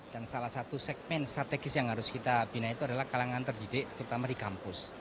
dan salah satu segmen strategis yang harus kita bina itu adalah kalangan terdidik terutama di kampus